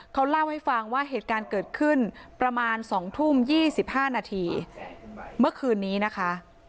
เขาเล่าให้ฟังว่าเหตุการณ์เกิดขึ้นประมาณ๒ทุ่ม๒๕นาทีเมื่อคืนนี้นะคะ